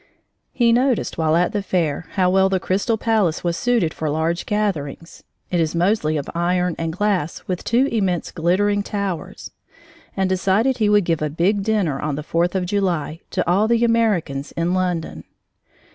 He noticed, while at the fair, how well the Crystal Palace was suited for large gatherings (it is mostly of iron and glass with two immense, glittering towers) and decided he would give a big dinner on the Fourth of July to all the Americans in London.